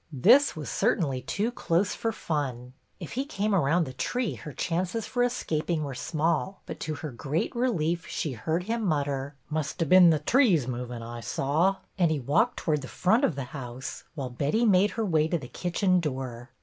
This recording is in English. This was cer tainly too close for fun. If he came around the tree her chances for escaping were small, but to her great relief she heard him mutter, —" Must hov bin the threes movin', I saw ;" and he walked towards the front of the house, while Betty made her way to the kitchen door.